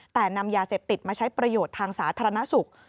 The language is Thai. แต่นำยาเสพติดมาใช้ประโยชน์ทางสาธารณสุข